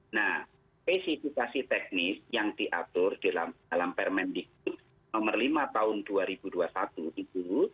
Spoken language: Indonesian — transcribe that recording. nah spesifikasi teknis yang diatur dalam permendikbud nomor lima tahun dua ribu dua puluh satu itu